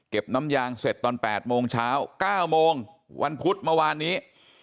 น้ำยางเสร็จตอน๘โมงเช้า๙โมงวันพุธเมื่อวานนี้